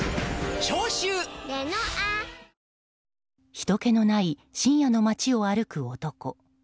ひとけのない深夜の街を歩く男。